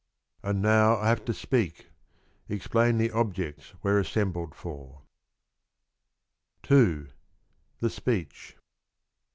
And now I have to speak, — Explain the objects we 're assembled for. II. THE SPEECH.